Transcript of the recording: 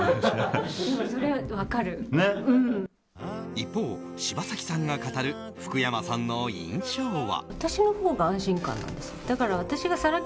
一方、柴咲さんが語る福山さんの印象は。